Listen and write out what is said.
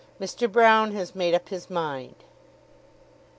MR. BROUNE HAS MADE UP HIS MIND.